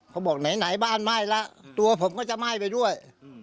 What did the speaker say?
เขาบอกไหนบ้านไหม้แล้วตัวผมก็จะไหม้ไปด้วย